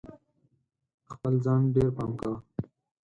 په خپل ځان ډېر پام کوه!